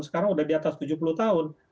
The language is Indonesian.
sekarang sudah di atas tujuh puluh tahun